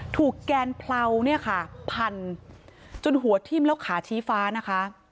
แกนเพลาเนี่ยค่ะพันจนหัวทิ้มแล้วขาชี้ฟ้านะคะ